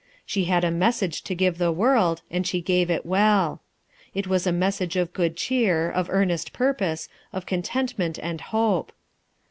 She had a message to give the world, and she gave it well. It was a message of good cheer, of earnest purpose, of contentment and hope.